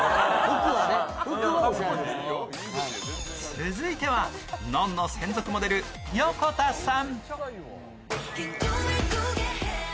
続いては「ｎｏｎ−ｎｏ」専属モデル、横田さん。